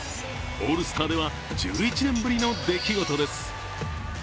オールスターでは１１年ぶりの出来事です。